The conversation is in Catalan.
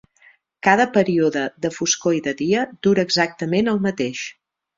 Cada període de foscor i de dia dura exactament el mateix.